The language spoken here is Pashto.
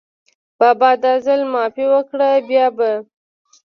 بابا دا ځل معافي وکړه، بیا به …